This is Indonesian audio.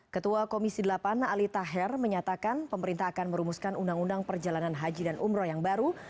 ketua komisi delapan ali taher menyatakan pemerintah akan merumuskan undang undang perjalanan haji dan umroh yang baru